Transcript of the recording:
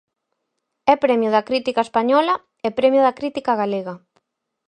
É Premio da Crítica Española e Premio da Crítica Galega.